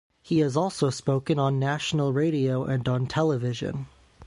He has also spoken on national radio and on television.